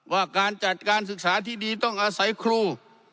ว่าการจัดการศึกษาที่ดีต้องอาศัยครู